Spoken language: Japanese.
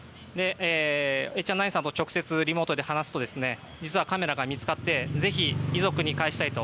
エーチャンナインさんと直接、リモートで話すと実はカメラが見つかってぜひ遺族に返したいと。